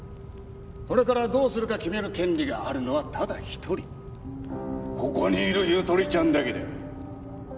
これからどうするか決める権利があるのはただ一人ここにいるゆとりちゃんだけだ。